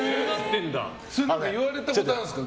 言われたことあるんですか？